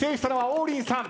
王林さん。